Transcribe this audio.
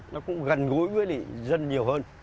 nó cũng gần gũi với dân nhiều hơn